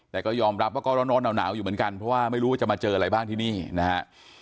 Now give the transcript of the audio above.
แต่ก็ยอมรับว่าก็ร้อนหนาวอยู่เหมือนกันเพราะว่าไม่รู้ว่าจะมาเจออะไรบ้างที่นี่นะฮะ